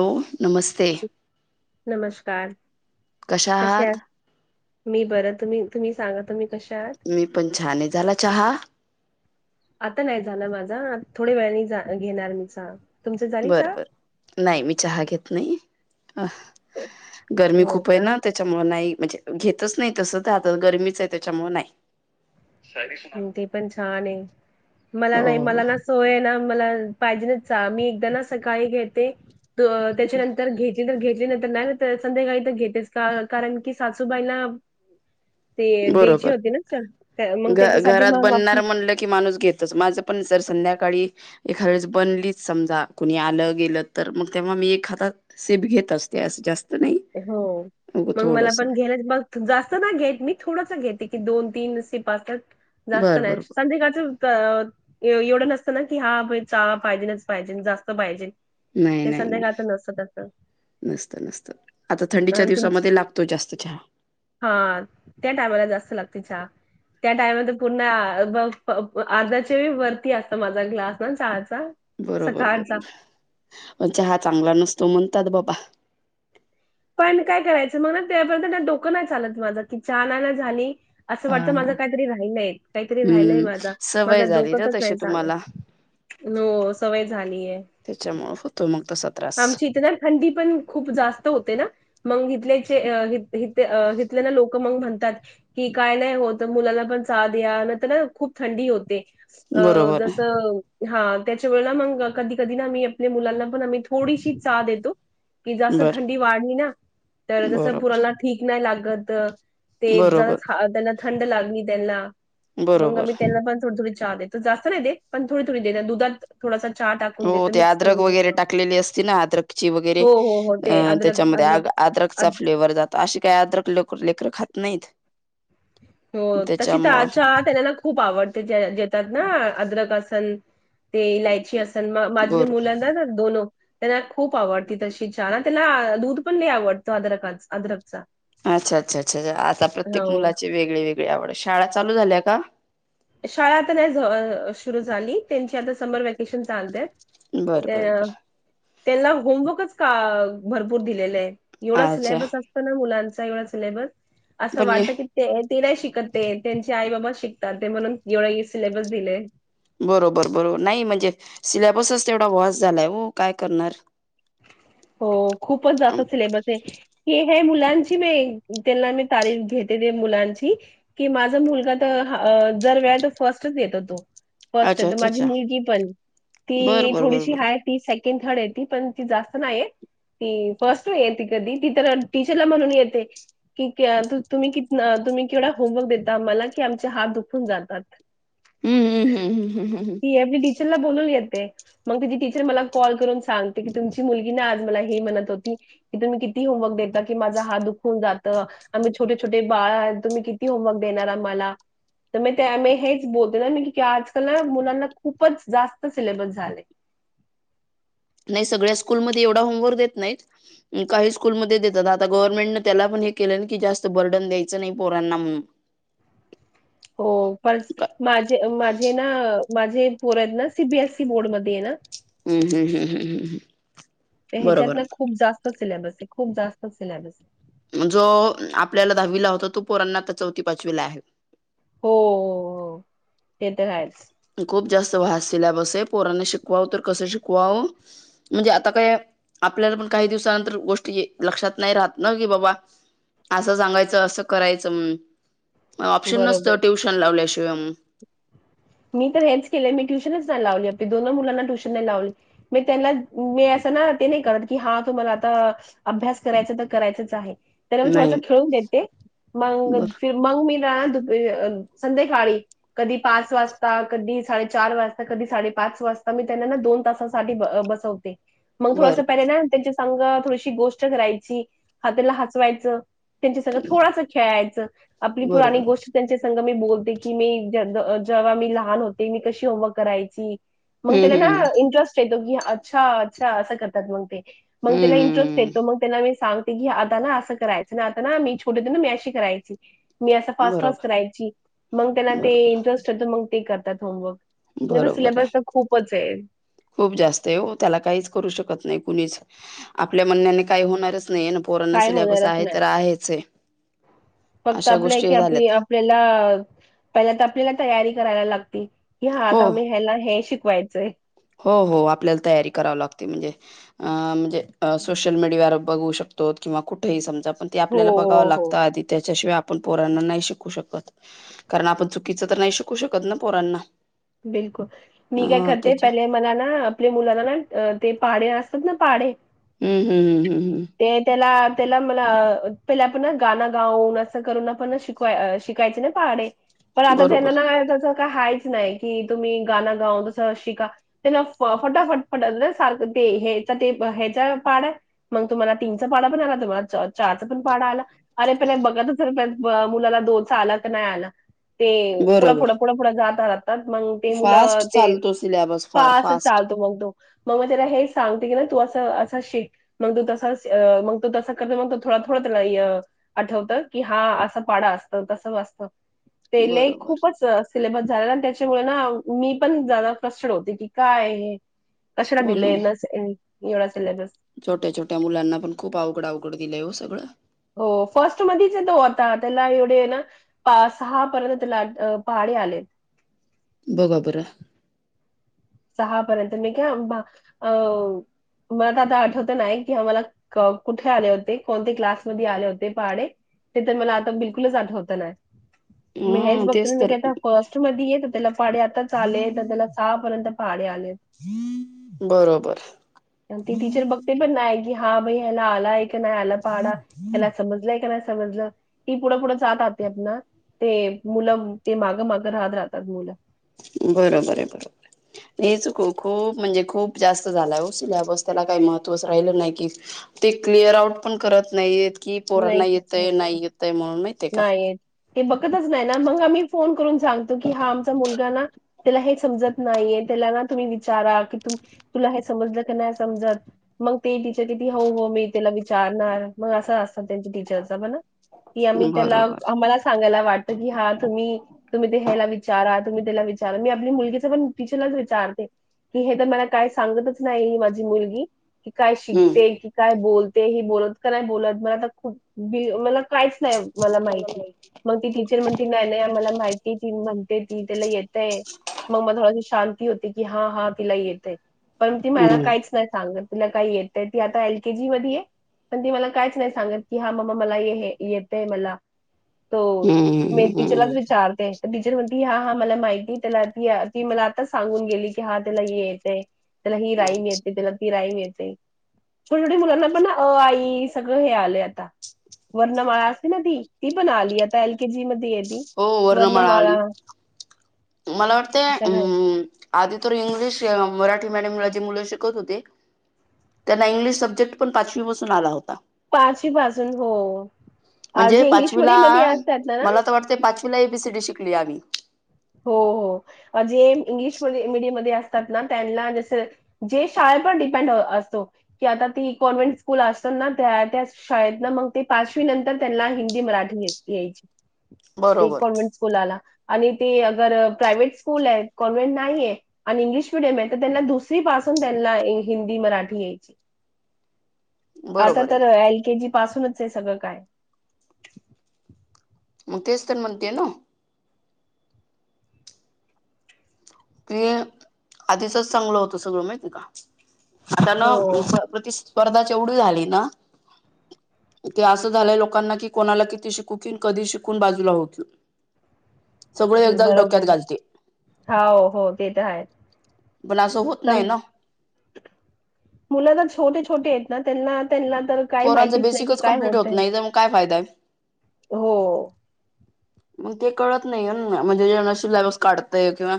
हो नमस्ते, नमस्कार कशा आहात. मी बं तुम्ही तुम्ही सांगा तुम्ही कशा आहात? मी पण छान, झाला चहा, आता नाही झालं माझा थोड्या वेळानी घेणार मीचा. बर बर नाही मी चहा घेत नाही. अ गरमी हो खूप आहे का ना त्याच्यामुळे नाही. म्हणजे घेतच नाही तस तर आता गरमीच आहे त्याच्यामुळे नाही. हम ते पण छान आहे. मला नाही हो मला ना सोय ना मला पाहिजे मी एकदा ना सकाळी घेते. त्याच्यानंतर घे घेतली नंतर नाही संध्याकाळी तर घेतेच का कारण की सासूबाईला ते द्यायची बरोबर होती ना च घ घरात बनणार म्हणलं की माणूस घेतच माझं पण जर संध्याकाळी एखादे वेळेस बनलीच समजा कुणी आलं गेलं तर मग तेव्हा मी ए हात सेप घेत असते अस जास्त नाही हो अगं मग मला थोडस पण घेण्या मग जास्त ना घेत मी थोड घेते की दोन तीने पाचात [unintelligible] जास्त बरं नाही बरं संध्याकाळच एवढं नसतं ना की हा चहा पाहिजे नाच पाहिजे जास्त पाहिजे. नाही ते नाही संध्याकाळचं नाही नसत नसत अ तुम हा त्या टायमाला जास्त चहा त्या टाइम पूर्ण अर्धाच्या वरती असत माझा ग्लास ना चहाचा बरोबर बरोबर सकाळचा. म्हण च हा चांगला नसतो मण तत बाबा पण काय करायचं मग ना त्यापर्यंत डोकं नाही चालत माझं की चानाना झाली असं हा वाटत हा. माझं काहीतरी राहीलाय काहीतरी राहिलाय हम्म माझा माझा सवय झाली ना डोकतच तशी नाही झालं तुम्हाला न सवय झालीय त्याच्यामुळे होतो मग तसा त्रास. आमची इथ ना थंडी पण खूप जास्त होते ना मग इथल्याथ लोक म म्हणतात की काय नाही होत मुलाला पण चाथ या नंतर खूप थंडी होत ते अ बरोबर जस हा त्याच्या वेला मग कधी कधी आ आपल्या मुलांना पण थोडीशी चा देतो की जास्त बर थंडी वाढली ना तर जस बरोबर पुराला ठीक नाही लागत तर ते ज बरोबर त्यांना थंड लागली त्यांना मग बरोबर आमही त्यांना पण थोडी थोडी तर जास्त नाही दे पण थोडी थोडी दे दधात थोडा हो ते अद्रक वगैरे टाकले असते ना अद्रकची वगैरे हो, हो, हो. अ ते अद्रक त्याच्यामध्ये अद्रक आद्रकचा अद फ्लेवर्ह जात अे काही अद्रक लेकर खात नाहीत हो तशी त्याच्यामुळं तच्या त्यालाला खूप आवड ते जेतात ना अद्रकसन ते इलायची अससन माझ्या बर मुलांना ना दोनो त्यांना खूप आवडती तशी छान त्यांना दूध पण नाही आवडत अदरका अदरकचा अच्छा अच्छा अच्छा आता प्रत्येक मुला वेगळी वेगळी आवड शाळा चालू झाल्या का शाळा आता नाही सुरू झाली त्यांची आता समर वॅकेशन चालते बर बर ते बर त्यांना होमवर्कच का भरपूर दिलेलं आहे एवढा अच्छा सिलेबस असतं ना मुलांचा कावढ सिलेबस असं पण वाटत की ते ते नाही शिकतते त्यांचे आई बाबा शिक ते म्हणून एवढा सिलेबस दिले बरोबर बरोबर नाही म्हणजे सिलेबसच तेवढा वॉस झालाय हो काय करणार हो खूपच जास्त अम, सिलेबस आहे की हे मुलांची म त्यांना मी तारीफ घेते ते मुलांची की माझा मुलगा तर जर वेळ तर फर्स्टच येतो तो फर्स्ट य अच्छा तर अच्छा माझी अच्छा मुलगी पण बरं ती बरं बरं थोडीशी बरं हाय ती सेकंड थर्ड आहे ती पण क जाात नाही ती फर्स्ट य त कधी ती तर टीचरला म्हणून येते की तुम्ही क तुम्ही केवढा होमवर्क देता मला की आमचे हात दुखून जातात हम्म हम्म हम्म हम्म हम्म हम्म हम् कून ती मुलीगी ना आज मला हे म्हणत होती की तुम्ही किती होमवर्क देता की माझा हात दुखून जात आम्ही छोटे छोटे बाळ तुम्ही किती होमवर्क देणार आम्हाला तर म त्या हेच बोलते ना आजकल ना मुलांना खूपच जास्त सिलेबस झालंय. नाही सगळ्या स्कूलमध्ये एवढा होमवर्क देत नाहीत काही स्कूलमध्ये देतात आता गव्हर्नमेंटने त्याला पण हे केलं कि जास्त बर्डन द्यायचं नाही पोरांना म्हणून हो पण माझे माझे ना माझी एक पोर आहेत ना सीबीएसई बोर्डमध्ये ये ना हम्म हम्म हम्म हम्म तर हम्मम् ह्याच्यात बरोबर ना खूप जास्त सिलेबस आहे खूप जास्त सिलेबस आहे जो आपल्याला दहावीला होता तो पोरांना आता चौथी पाचवीला आहे हो हो ते तर हायच. खूप जास्त वास दिला बस पोरांने शिकवाव तर कसं शिकवाव म्हणजे आता काय आपल्याला पण काही दिवसानंतर गोष्ट लक्षात नाही राहत ना कि बाबा असं सांगायचं असं करायचं म्हणून खू ऑप्शन बरोबर नसतं ट्यूशन लावल्याशिवा शं. मी तर हेच केले मी ट्युशनच नाही लावली आपली दोन मुलांना ट्युशन नाही लावली मग त्यांना मी असं ना ते नाही करत की हा तुम्हाला आता अभ्यास करायचा तर करायचच आहे त्यांना मी नाही थोडासा खेळून देते मग बर मग मी. रा दु संध्याकाळी कधी पाच वाजता. कधी साडेचार वाजता कधी साडेपाच वाजता मी त्यांना ना दोन तासासाठी बसवते. मग थोडस बरोबर पहिले ना त्यांच्या सांग थोडीशी गोष्ट करायची हा तीला हसवायचं. त्यांच्या सगळं थोडास खेळायचं आपली पुराणी बरोबर गोष्ट त्यांच्या मी बोलते की मी ज जेव्हा मी. लहान होते मी कशी होमवर्क करायची. मग हम्म त्याला हम्म ना इंटरेस्ट येतो की. अच्छा अच्छा असं करतात मग ते. मग त्याला इंटरेस्ट हम्म येतो तो मग त्यांना मी सांग की आता ना असं करायचं ना आता ना मी छोटे होते ते ना मी अशी करायची. मी असं फास्ट फास्ट बरोबर करायची मग त्याना ते बरोबर इंटरेस्ट होत मग. ते करतात होमवर्क. म तर बरोबर सिलेबस आहे तर खूपच [inaudible] खूप जास्त आहे ओ त्याला काहीच करू शकत नाही कुणीच आपल्या म्हणण्याने काय होणारच नाही ना पोरांना काय सिलेबस होणारच आहे नाही तर आहेच आहे फक्त अशा आपल्या की गोष्टी आप झाल्यात आपल्याला पहिल तर आपल्याला तयारी करायला लागत की हा हो आता आम्ही हला हे शिक वायचंय. हो हो आपल्याला तयारी करावी लागते म्हणजे अ म्हणजे अ सोशल मीडिया र बघू शकतोत किंवा कुठेही समजा. पण ते हो आपल्याला बघावं हो हो लागत आधी त्याच्याशिवाय आप आपण पोरांना नाही शिकू शकत, कारण आपण चुकीचं तर नाही शिकू शकत ना पोरांना. बिलकुल मी काय अ करते त्याच्या पहिले मला ना आपल्या मुलाला ना ते पाडे असतात ना पाडे हम्म हम्म हम्म हम्म हम्म ते त्याला त्याला मला पहिला पण गाण गाऊन असं करून पण शिकवाय शिकायचे ना पाडे. पण आता त्यांना बरोबर नाय त्याच का हायच नाइ कि तुम्ही गाना गाऊ तसं शिका, त्यां फटाफट पटत सारख तेचा ते हचा पाड आहे मग तुम्हाला तीनचा पाड पण आला तुम्हाला चारचा तर पाडा आला अरे पण बघत मुलाला दोचा आला तर नाय आला. ते पुढं, बरोबर पुुढं, पुढं, पुुढं जात आहात म ते फास्ट मुलं ते चालतो सिलॅबस फार पाच फास्ट चालतो मग तो मग, म त्याला हे सां ना तू असं असं शेक मग तू तस मग तू तस करत मग तो थोडा थोडा त्याला आठवत की हा असं पाडा असतं तस वाचत ते बरोबर खूपच सिलेबस झालेला त्या मी पण फ्रस्टड होते की काय कशरा दिलंय ना एवढा सिलेबस छोट्या छोट्या मुलांना पण खूप अवघडा अवघड दिलंय हो सगळं हो फर्स्ट मधच आहे तो आता त्याला एवढे ना पा सहा पर्यंत त्याला पहाडे आलेत बरोबर सहा पर्यंत मी का मला तर आता आठवत नाही की आम्हाला कुठे आले होते कोणते क्लासमध्ये आले होते पहाडे ते तर मला आता बिलकुलच आठवत नाही मी हेच हा बघत तेच मी तर कायता फर्स्ट मध्ये आहे तर त्याला पाडे आता चाले तर त्याला सहापर्यंत बरोबर तीच बघते पण नाही ही हा भई हला आला एक आला पाहाडा एला समजलायक समजलं की पुढं पुढं जात राहते आप ते मुलं ते मागं मागं राहत राहतात मुलं बरोबर आहे, बरोबर हे चुक खूप म्हणजे खूप जास्त झाला हो सिलबस त्याला काही महत्त्वच राहिलं नाही की ते क्लिअर आउट पण करत नाही कि पोरांना नाही येतय का नाही येतय म्हणून माहिते का नाही येत. ते बघतच नाही ना मग आम्ही फोन करून सांगतो की हा आमचा मुलगा ना त्याला हे समजत नाहीये त्याला ना तुम्ही विचारा कि तुला हे समजलं की नाही समजत मग ते टीचर किती हो हो मी त्याला विचारणार मग असं अस त्यांची टीचर्स पण कि आम्ही त्याला बरोबर आम्हाला सांगायला वाटत की हा तुम्ही तुम्ही ते ह्यायला वि विचारा तुम्ही त्याला विचारा मी आपली मुलगीच पण टीचरलाच विचारते की हे तर मला काय सांगतच नाही माझी मुलगी की काय हम्म शिकते की काय बोलते ते ह बोलत का नाही बोलत मला तर ख मला काहीच नाही मला माहिती मग ती टीचर म्हण त नल मला माहिती ती म्हण ती तिला येतय मग मग थोडशी शांती होती की हा हा तिला येतय पण ती मला हम्म काहीच नाही सांगत. तुला काही येत तर ती आता एल के जी मध्ये आहे पण ती मला कायच नाही सांगत. कि हा ममा मला हे येतय मला. तो मी हम्म हम्म टीचरलाच विचारते. टीचर म्हणती हा हा मला माहिती त्याला ती ती मला आता सांगून गेली की हा त्याला हे येतंय. त्याला ही राईम अच्छा येते त्याला ती राईम ये ते. छोट्या छोटे मुलांना पण अ आ इ सगळं हे आलय आ ता, वर्णमाळा असते ना ती, ती पण आली आता एल के जी मध्ये येईल. हो वर्णमाळा आली मला वाटते सगळं आहे. अम आधी तर इंग्लिश मराठी मेडम जे मुलं शिकत होती, मी त्यांना इंग्लिश सब्जेक्ट पण पाचवी पासून आला हो पाचवी पासुन हो. आ म्हणजे जी इंग्लिश मेडियम मध्ये असतात ना वीला ए बी सी डी शिकलोय आम्ही. हो हो जे इंग्लिश मीडियम मध्ये असतात ना त्यांना जस जे शाळेप डिपेंड असतो की आता ती कॉन्व्हेंट स्कूल असतात ना त्या त्या शाळेत ना मग ते पाचवी नंतर त्यांना हिंदी मराठी यायची ते बरोबर कॉन्व्हेंट स्कूलाला आणि ते अगर प्रायव्हेट स्कूल आहे कॉन्व्हेंट नाहीये आणि इंग्लिश मिडियम आहे तर त्यांना दुसरी पासून त्यांना हिंदी मराठी यायची. आता बरोबर आहे तर एल के जी पासूनच आहे सगळं काय. मग तेच तर म्हणतीये ना. ते आधीचच चांगलं होतं सगळं माहितीय का? अ‌ त्यानं हो, प्रतिष्ठी स्पर्धाच एवढी झाली ना, ते असं झालंय लोकांना कि कोणाला किती शिकू कि कधी शिकून बाजूला हो क बरोबर हाव हो ते तर आहेच. बलासं होत नाही ना मुलं ना छोटे छोटे आहेत ना त्यांना त्यांना तर काही पोरांचं माहितीच नाही की बेसिकच काय कम्प्लीट होत होतंय. नाही तर मग काय फायदा आहे. हो मग ते कळत नाही म्हणजे जेना सिलेबस काढतय किंवा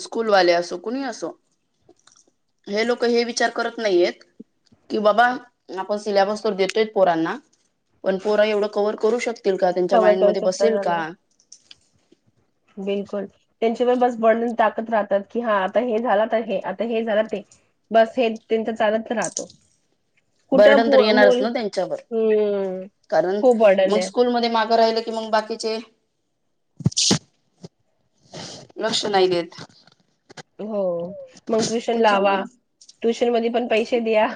स्कूलवाले असो कुणीही असो, हे लोक हे विचार करत नाहीयेत कि बाबा आपण सिलॅबस तर देतोय पोरांना पण पोरा एवढं कवर करू शक तील का? त्यांच्या माइंड मधे बस कां झालं बिलकुल त्यां बणुन टाकत राहतात की हा आता हे झालं आता हे आता हे झालं ते बस हे त्यांच चालत राहतं बर्डन तर येणारच ना त्यांच्यावर हम्म कारण खूप बर्डन मग आहे स्कूल मध्ये मागं राहिलं की मंग बाकीचे लक्ष नाही देत. हो मग ट्युशन लावा त्याच्यामुळे ट्युशन मध्ये पण पैसे द्या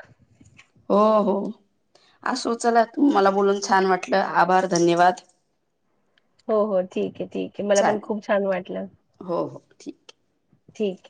असू चला तु मला बोलून छान वाटलं आभार धन्यवाद हो हो ठीक आहे ठीक आहे मला पण चालेल खूप छान वाटलं हो हो ठीक ठीक